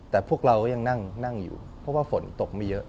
แต่พวกเราก็ยังนั่งอยู่เพราะว่าฝนตกไม่เยอะ